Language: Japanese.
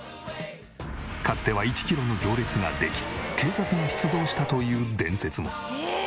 かつては１キロの行列ができ警察も出動したという伝説も。